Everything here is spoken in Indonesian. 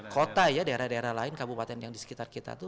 kota ya daerah daerah lain kabupaten yang di sekitar kita itu